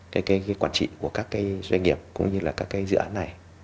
cái quản trị của các doanh nghiệp cũng như các dự án này